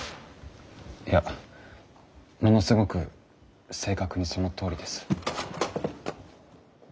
いやものすごく正確にそのとおりです。